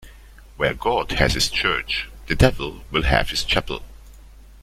Where God has his church, the devil will have his chapel.